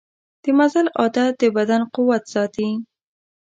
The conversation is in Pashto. د مزل عادت د بدن قوت ساتي.